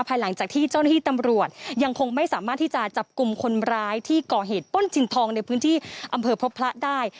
หลังจากที่เจ้าหน้าที่ตำรวจยังคงไม่สามารถที่จะจับกลุ่มคนร้ายที่ก่อเหตุป้นชินทองในพื้นที่อำเภอพบพระได้